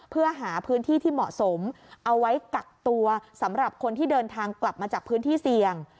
เพื่อหาพื้นที่ที่เหมาะสมเอาไว้กักตัวสำหรับคนที่เดินทางกลับมาจากพื้นที่เสี่ยง